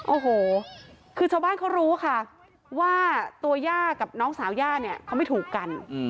โอ้โหคือชาวบ้านเขารู้ค่ะว่าตัวย่ากับน้องสาวย่าเนี่ยเขาไม่ถูกกัน